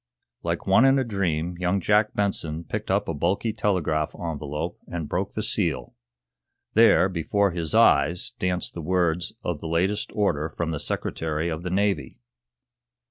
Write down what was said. Like one in a dream young Jack Benson picked up a bulky telegraph envelope and broke the seal. There, before his eyes, danced the words of the latest order from the Secretary of the Navy.